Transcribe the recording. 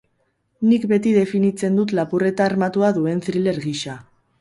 Nik beti definitzen dut lapurreta armatua duen thriller gisa.